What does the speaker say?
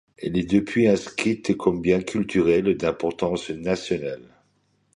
Elle est depuis inscrite comme bien culturel d'importance nationale.